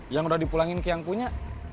yang udah dipulangin ke yang punya